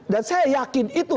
dan saya yakin itu